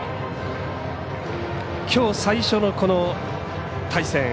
きょう最初の対戦。